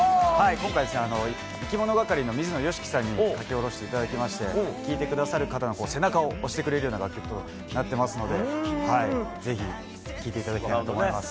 今回ですね、いきものがかりの水野良樹さんに書き下ろしていただきまして、聴いてくださる方の背中を押してくれるような楽曲となっていますので、ぜひ、聴いていただきたいなと思います。